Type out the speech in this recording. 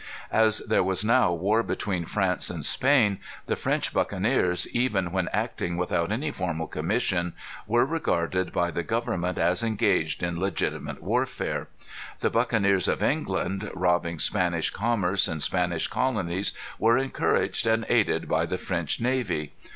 As there was now war between France and Spain, the French buccaneers, even when acting without any formal commission, were regarded by the Government as engaged in legitimate warfare. The buccaneers of England, robbing Spanish commerce and Spanish colonies, were encouraged and aided by the French navy.